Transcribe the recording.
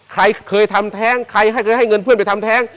ใครเคยทำแท้งใครให้เคยให้เงินเพื่อนไปทำแท้ง